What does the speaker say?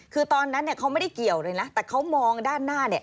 คือตอนนั้นเขาไม่ได้เกี่ยวเลยนะแต่เขามองด้านหน้า